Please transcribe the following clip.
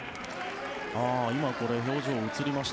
今、表情が映りました。